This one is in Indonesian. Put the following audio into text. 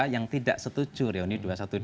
yang tidak setuju reuni dua ratus dua belas